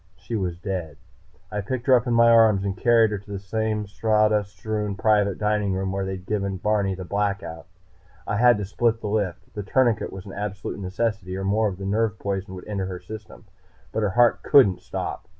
She was dead. I picked her up in my arms and carried her to the same sawdust strewn private dining room where I'd given Barney the Blackout. I had to split the lift. The tourniquet was an absolute necessity, or more of the nerve poison would enter her system. But her heart couldn't stop.